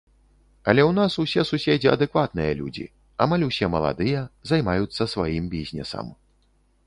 Але ў нас усе суседзі адэкватныя людзі, амаль усе маладыя, займаюцца сваім бізнесам.